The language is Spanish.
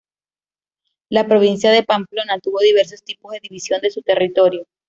La provincia de Pamplona tuvo diversos tipos de división de su territorio.